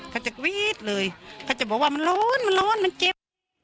เขาจะกรี๊ดเลยเขาจะบอกว่ามันร้อนมันร้อนมันเจ็บ